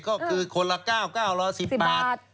ก็คือคนละ๙๙๑๐บาท